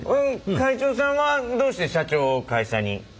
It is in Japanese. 会長さんはどうして社長を会社に？